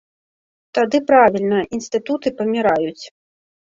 Тады правільна, інстытуты паміраюць.